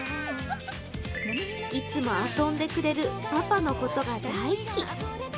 いつも遊んでくれるパパのことが大好き。